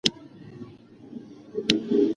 موږ پرون د علم په اړه بحث وکړ.